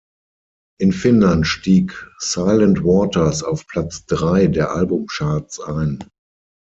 In Finnland stieg Silent Waters auf Platz drei der Albumcharts ein.